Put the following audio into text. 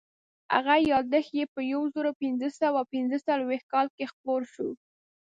هغه یادښت یې په یو زرو پینځه سوه پینځه څلوېښت کال کې خپور شو.